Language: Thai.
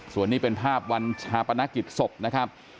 ส่วนนี้เป็นภาพวันชาปนกิจศพนะครับ